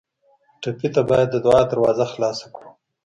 ټپي ته باید د دعا دروازه خلاصه کړو.